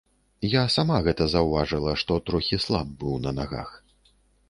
Я сама гэта заўважыла, што трохі слаб быў на нагах.